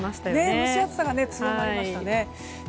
蒸し暑さが強まりました。